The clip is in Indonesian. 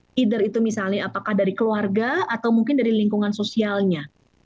feeder itu misalnya apakah dari keluarga atau mungkin dari lingkungan sosialnya